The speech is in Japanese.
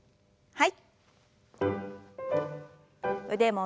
はい。